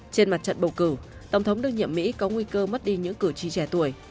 trên mặt trận bầu cử tổng thống đương nhiệm mỹ có nguy cơ mất đi những cử tri trẻ tuổi